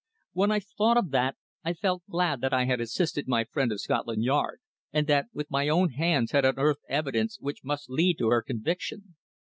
When I thought of that I felt glad that I had assisted my friend of Scotland Yard, and that with my own hands had unearthed evidence which must lead to her conviction.